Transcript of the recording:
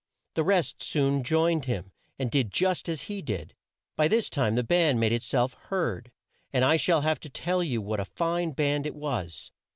The rest soon joined him, and did just as he did. By this time the band made it self heard, and I shall have to tell you what a fine band it was.